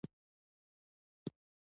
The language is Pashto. هغه هم له خپل خوریي سره راورسېد.